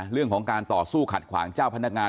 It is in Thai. เรื่องของการต่อสู้ขัดขวางเจ้าพนักงาน